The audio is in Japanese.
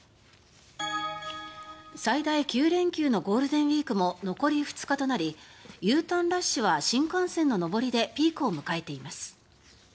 最大９連休のゴールデンウィークも残り２日となりＵターンラッシュは新幹線の上りでピークを迎えています。